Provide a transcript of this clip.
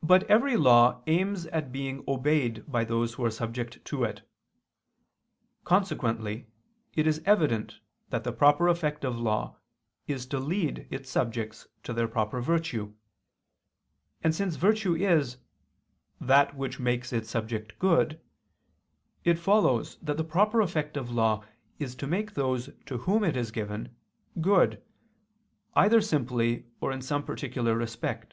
But every law aims at being obeyed by those who are subject to it. Consequently it is evident that the proper effect of law is to lead its subjects to their proper virtue: and since virtue is "that which makes its subject good," it follows that the proper effect of law is to make those to whom it is given, good, either simply or in some particular respect.